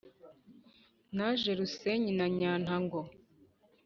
naje rusenyi na nyantango